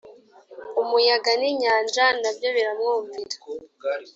umuyaga n inyanja na byo biramwumvira